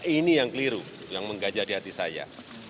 ini yang keliru yang menggajah di hati saya